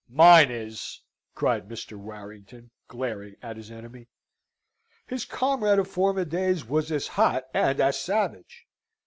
"Mine is!" cried Mr. Warrington, glaring at his enemy. His comrade of former days was as hot and as savage.